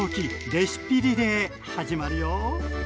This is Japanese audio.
レシピリレー」始まるよ。